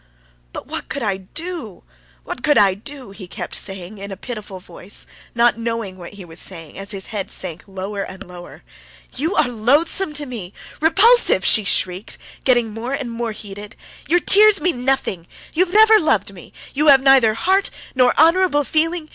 "But what could I do? what could I do?" he kept saying in a pitiful voice, not knowing what he was saying, as his head sank lower and lower. "You are loathsome to me, repulsive!" she shrieked, getting more and more heated. "Your tears mean nothing! You have never loved me; you have neither heart nor honorable feeling!